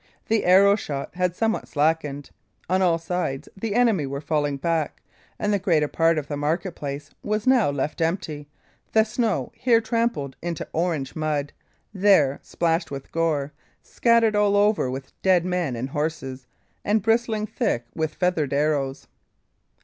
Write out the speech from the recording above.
The arrow shot had somewhat slackened. On all sides the enemy were falling back; and the greater part of the market place was now left empty, the snow here trampled into orange mud, there splashed with gore, scattered all over with dead men and horses, and bristling thick with feathered arrows.